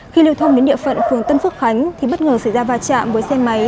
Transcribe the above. khi lưu thông đến địa phận phường tân phước khánh thì bất ngờ xảy ra va chạm với xe máy